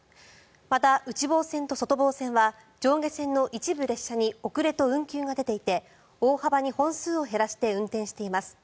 また、内房線と外房線は上下線の一部の列車に遅れと運休が出ていて大幅に本数を減らして運転しています。